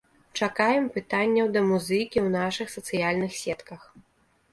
Чакаем пытанняў да музыкі ў нашых сацыяльных сетках.